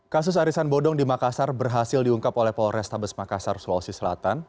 kasus arisan bodong di makassar berhasil diungkap oleh polrestabes makassar sulawesi selatan